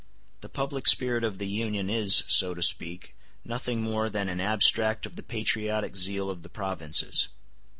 The public spirit of the Union is, so to speak, nothing more than an abstract of the patriotic zeal of the provinces.